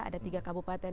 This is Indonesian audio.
ada tiga kabupaten